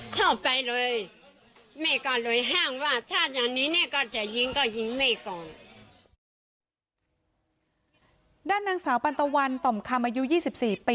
ก็บอกนะคะว่าที่ผ่านมาพ่อกับแม่